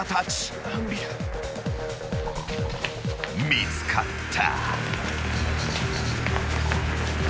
［見つかった］